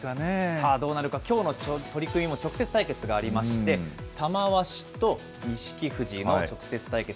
さあ、どうなるか、きょうの取組も直接対決がありまして、玉鷲と錦富士の直接対決。